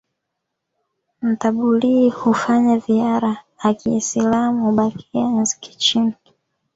Ntabulii hufanya dhiara akiisilamu hubakia nsikichini.